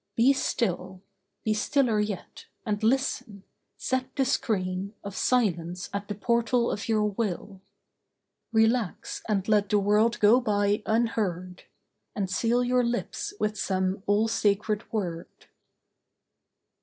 BE STILL: Be stiller yet; and listen. Set the screen Of silence at the portal of your will. Relax, and let the world go by unheard. And seal your lips with some all sacred word.